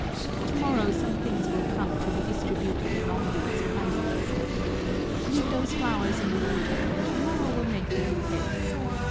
Tomorrow some things will come to be distributed among you as prizes. Leave those flowers in the water and tomorrow we'll make the bouquets.